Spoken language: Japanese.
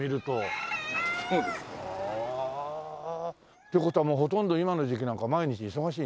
って事はもうほとんど今の時期なんか毎日忙しいね。